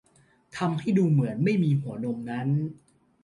ทำให้ดูเหมือนไม่มีหัวนมนั้น